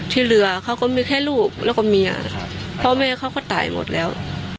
ที่เหลือเขาก็มีแค่ลูกแล้วก็เมียพ่อแม่เขาก็ตายหมดแล้ว